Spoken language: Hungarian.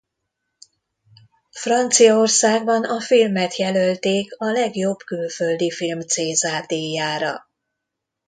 Franciaországban a filmet jelölték a legjobb külföldi film César-díjára.